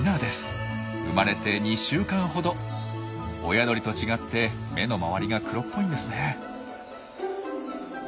親鳥と違って目の周りが黒っぽいんですね。